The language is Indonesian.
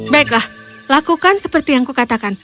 baiklah lakukan seperti yang kukatakan